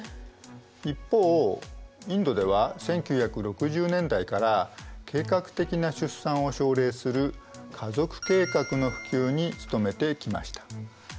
一方インドでは１９６０年代から計画的な出産を奨励する家族計画の普及に努めてきました。